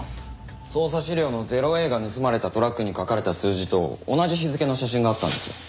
捜査資料の０−Ａが盗まれたトラックに書かれた数字と同じ日付の写真があったんです。